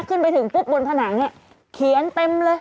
ขึ้นไปถึงปุ๊บบนผนังเขียนเต็มเลย